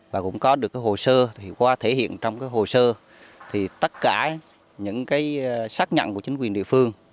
và cũng có được hồ sơ thì qua thể hiện trong hồ sơ thì tất cả những cái xác nhận của chính quyền địa phương